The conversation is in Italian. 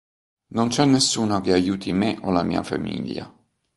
Non c'è nessuno che aiuti me o la mia famiglia.